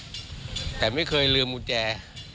ไม่เคยล็อคแต่ไม่เคยลืมมุจแจ